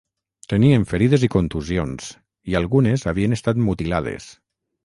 Tenien ferides i contusions, i algunes havien estat mutilades.